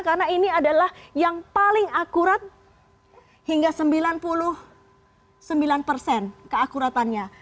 karena ini adalah yang paling akurat hingga sembilan puluh sembilan persen keakuratannya